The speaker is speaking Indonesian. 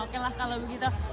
oke lah kalau begitu